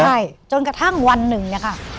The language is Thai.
ใช่จนกระทั่งวันหนึ่งเนี่ยค่ะ